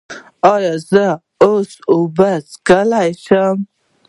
ایا زه اوس اوبه څښلی شم؟